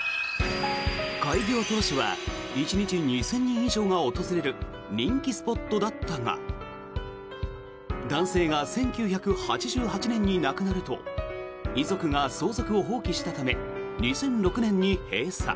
開業当初は１日２０００人以上が訪れる人気スポットだったが男性が１９８８年に亡くなると遺族が相続を放棄したため２００６年に閉鎖。